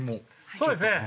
そうですね。